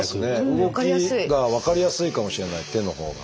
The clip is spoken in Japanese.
動きが分かりやすいかもしれない手のほうが。